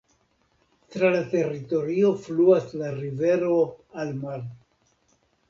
Tra la teritorio fluas la rivero Almar.